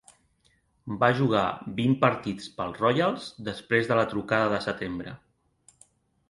Va jugar vint partits pels Royals després de la trucada de setembre.